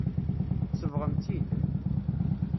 Tsebɣem-tt-id.